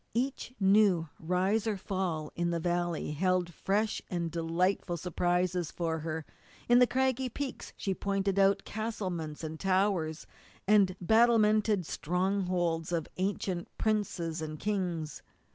Each new rise or fall in the valley held fresh and delightful surprises for her; in the craggy peaks she pointed out castlements, and towers, and battlemented strongholds of ancient princes and kings.